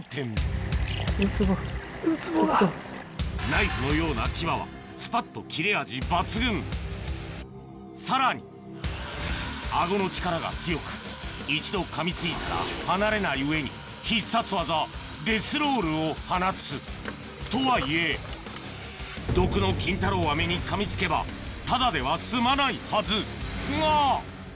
ナイフのような牙はスパっと切れ味抜群さらに顎の力が強く一度かみついたら離れない上に必殺技デスロールを放つとはいえ毒の金太郎飴にかみつけばただでは済まないはずが！